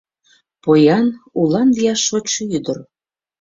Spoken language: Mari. Поян, улан лияш шочшо ӱдыр.